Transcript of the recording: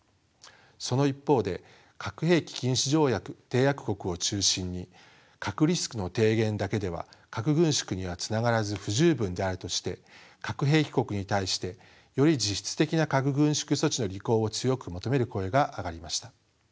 その一方で核兵器禁止条約締約国を中心に核リスクの低減だけでは核軍縮にはつながらず不十分であるとして核兵器国に対してより実質的な核軍縮措置の履行を強く求める声が上がりました。